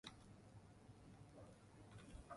ئارام بگرن، گرنگ نییە چی ڕوودەدات.